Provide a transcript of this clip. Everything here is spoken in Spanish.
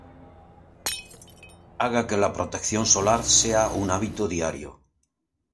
Haga que la protección solar sea un hábito diario.